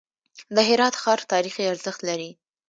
د هرات ښار تاریخي ارزښت لري.